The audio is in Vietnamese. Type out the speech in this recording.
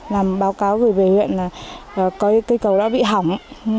làm báo cáo gửi về huyện là có cây cầu đã bị hỏng